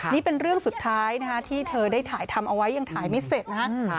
นี่เป็นเรื่องสุดท้ายที่เธอได้ถ่ายทำเอาไว้ยังถ่ายไม่เสร็จนะฮะ